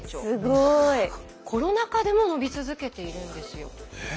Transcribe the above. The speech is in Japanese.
すごい。コロナ禍でも伸び続けているんですよ。